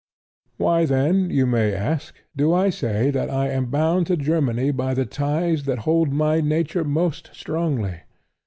Why, then, you may ask, do I say that I am bound to Germany by the ties that hold my nature most strongly?